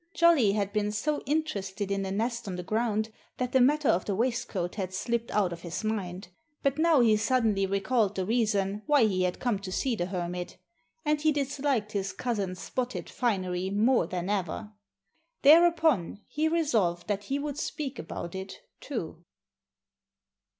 Jolly had been so interested in the nest on the ground that the matter of the waistcoat had slipped out of his mind. But now he suddenly recalled the reason why he had come to see the Hermit. And he disliked his cousin's spotted finery more than ever. Thereupon, he resolved that he would speak about it, too.